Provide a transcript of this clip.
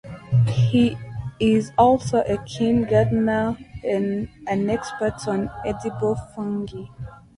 He is also a keen gardener and an expert on edible fungi.